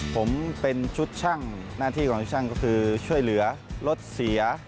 ผมเป็นชุดช่างหน้าที่ของช่างก็คือช่วยเหลือรถเสีย